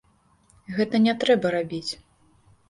Гэта не трэба рабіць.